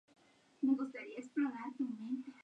Fue dos veces campeón de España.